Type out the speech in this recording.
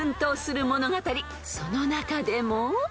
［その中でも］